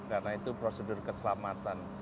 karena itu prosedur keselamatan